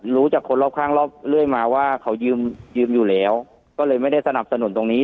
รู้จากคนรอบข้างรอบเรื่อยมาว่าเขายืมอยู่แล้วก็เลยไม่ได้สนับสนุนตรงนี้